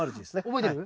覚えてる？